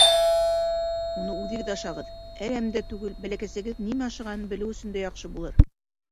Уны үҙегеҙ ашағыҙ: әрәм дә түгел, бәләкәсегеҙ нимә ашағанын белеү өсөн дә яҡшы булыр.